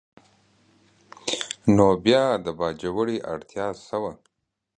نو بیا د باجوړي اړتیا څه وه؟